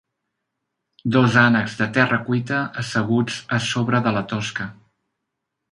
Dos ànecs de terra cuita, asseguts a sobre de la tosca